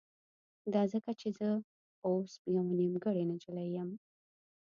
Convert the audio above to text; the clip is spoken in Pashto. دا ځکه چې زه اوس يوه نيمګړې نجلۍ يم.